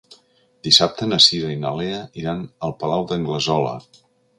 Dissabte na Cira i na Lea iran al Palau d'Anglesola.